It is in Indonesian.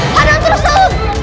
padang terus asun